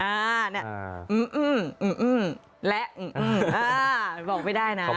อาอึอึและอึอ่าบอกไม่ได้นะ